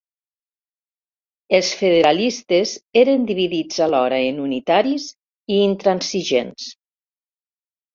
Els federalistes eren dividits alhora en unitaris i intransigents.